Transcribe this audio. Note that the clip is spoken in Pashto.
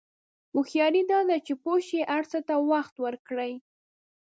هوښیاري دا ده چې پوه شې هر څه ته وخت ورکړې.